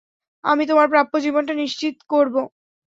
আমি তোমার প্রাপ্য জীবনটা নিশ্চিত করবো।